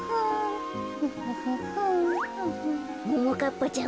ももかっぱちゃん